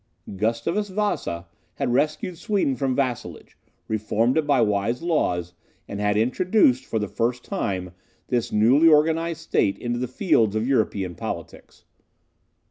Gustavus Vasa had rescued Sweden from vassalage, reformed it by wise laws, and had introduced, for the first time, this newly organized state into the field of European politics.